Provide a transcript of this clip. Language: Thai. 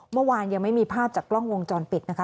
เมื่อวานยังไม่มีภาพจากกล้องวงจรปิดนะคะ